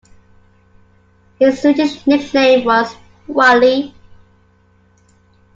His Swedish nickname was "Walle".